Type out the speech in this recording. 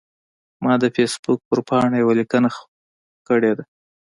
ما د فیسبوک په پاڼه یوه لیکنه کړې ده.